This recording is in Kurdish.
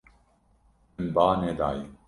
Min ba nedaye.